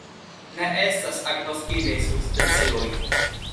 Ne estas agnoskitaj subspecioj.